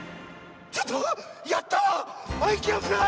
ちょっとやったわ！